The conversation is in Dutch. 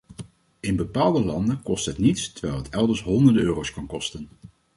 In bepaalde landen kost het niets, terwijl het elders honderden euro's kan kosten.